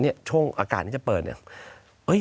เนี่ยช่วงอากาศนี้จะเปิดเนี่ย